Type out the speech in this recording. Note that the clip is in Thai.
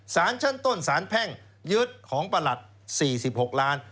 สารชั้นต้นสารแพ่งยึดของประหลัด๔๖ล้าน